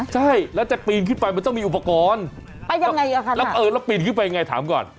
ใช่แล้วจะปีนขึ้นไปมันต้องมีอุปกรณ์ไปยังไงค่ะคุณค้าแล้วเออแล้วปีนขึ้นไปยังไงถามก่อน